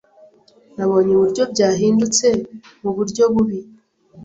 Nabonye uburyo byahindutse muburyo bubi -